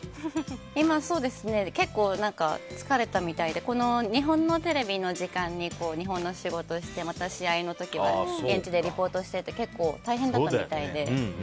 今、結構疲れたみたいでこの日本のテレビの時間に日本の仕事をしてまた試合の時は現地でリポートしてって結構、大変だったみたいで。